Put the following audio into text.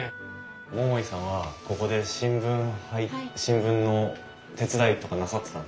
桃井さんはここで新聞の手伝いとかなさってたんですか？